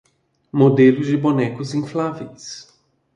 Modelos de bonecos infláveis